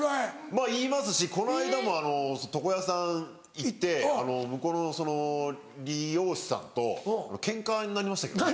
まぁ言いますしこの間も床屋さん行って向こうのその理容師さんとケンカになりましたけどね。